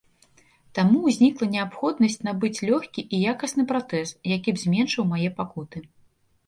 Таму ўзнікла неабходнасць набыць лёгкі і якасны пратэз, які б зменшыў мае пакуты.